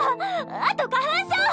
あと花粉症。